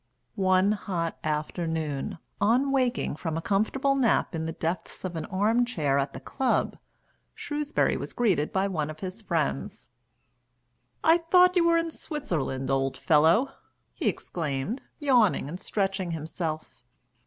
One hot afternoon, on waking from a comfortable nap in the depths of an armchair at the Club, Shrewsbury was greeted by one of his friends. "I thought you were in Switzerland, old fellow!" he exclaimed, yawning and stretching himself.